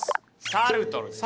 サルトルです。